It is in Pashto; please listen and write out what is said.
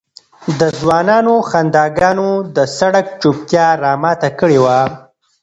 د ځوانانو خنداګانو د سړک چوپتیا را ماته کړې وه.